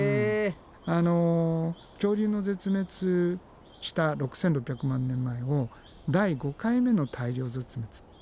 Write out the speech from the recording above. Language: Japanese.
あの恐竜の絶滅した６，６００万年前を第５回目の大量絶滅って。